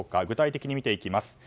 具体的に見ていきます。